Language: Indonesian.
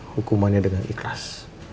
hukumannya dengan ikhlas